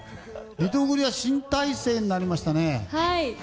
リトグリは新体制になりましたね。